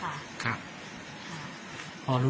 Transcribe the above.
ก็รู้จักกันประมาณช่วง